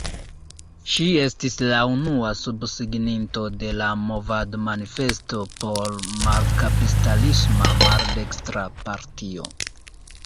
Ŝi estis la unua subsiginto de la movadmanifesto por "malkapistalisma maldekstra partio".